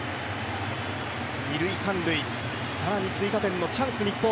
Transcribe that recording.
二・三塁、更に追加点のチャンス、日本。